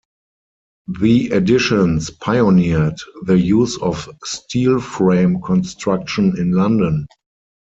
The additions pioneered the use of steel frame construction in London.